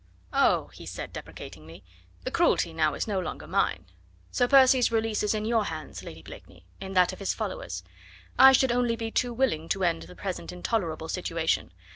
"Oh!" he said deprecatingly, "the cruelty now is no longer mine. Sir Percy's release is in your hands, Lady Blakeney in that of his followers. I should only be too willing to end the present intolerable situation.